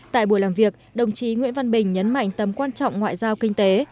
tại buổi làm việc đồng chí nguyễn văn bình nhấn mạnh tầm quan trọng ngoại giao kinh tế